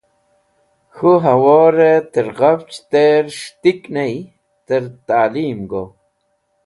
K̃hũ hẽwũrẽ tẽr ghafch ter s̃hetik ney, tẽr talim go.